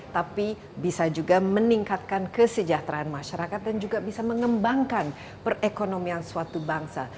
tapi bisa juga meningkatkan kesejahteraan masyarakat dan juga bisa mengembangkan perekonomian suatu bangsa